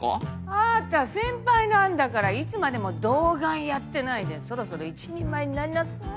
あなた先輩なんだからいつまでも童顔やってないでそろそろ一人前になりなさい。